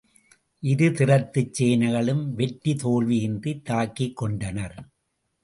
இருதிறத்துச் சேனைகளும் வெற்றி தோல்வி இன்றித் தாக்கிக் கொண்டனர்.